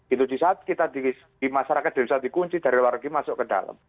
itu di saat kita di masyarakat di indonesia dikunci dari luar negeri masuk ke dalam